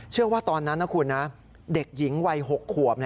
เชื่อว่าตอนนั้นนะคุณนะเด็กหญิงวัย๖ขวบ